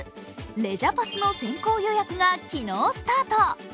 レジャパス！の先行予約が昨日スタート。